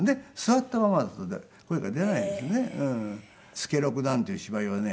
『助六』なんていう芝居はね